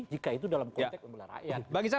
jika itu dalam konteks membela rakyat bagi saya